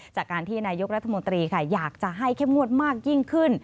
จากการที่นายกรัฐมนตรีค่ะอยากจะให้เข้มงวดมากยิ่งขึ้น